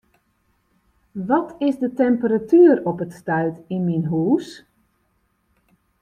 Wat is de temperatuer op it stuit yn myn hûs?